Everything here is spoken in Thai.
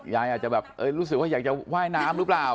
อาจจะแบบรู้สึกว่าอยากจะว่ายน้ำหรือเปล่า